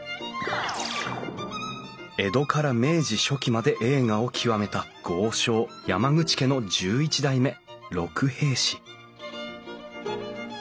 江戸から明治初期まで栄華を極めた豪商山口家の１１代目六平氏